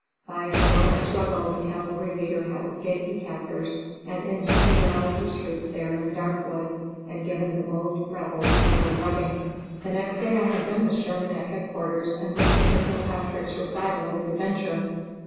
By a heroic struggle the cavalry leader had escaped his captors, had instantly rallied his troops there in the dark woods and given the bold Rebels a little drubbing. The next day I had been with Sherman at headquarters and listened to Kilpatrick's recital of his adventure.